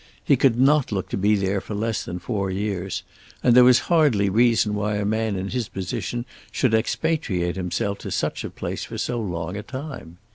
He could not look to be there for less than four years; and there was hardly reason why a man in his position should expatriate himself to such a place for so long a time.